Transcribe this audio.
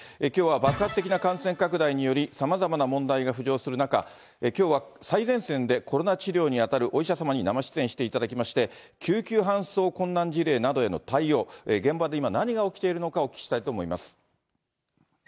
きょうは爆発的な感染拡大によりさまざまな問題が浮上する中、きょうは最前線でコロナ治療に当たるお医者様に生出演していただきまして、救急搬送困難事例などへの対応、現場で今、何が起きているのかをお聞きしたいと思います。